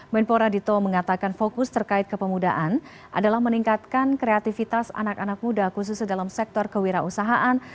menpora dito mengatakan fokus terkait kepemudaan adalah meningkatkan kreativitas anak anak muda khususnya dalam sektor kewirausahaan